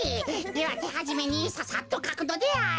ではてはじめにささっとかくのである。